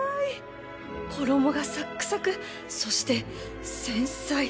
衣がサックサクそして繊細